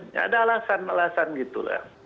nggak ada alasan alasan gitu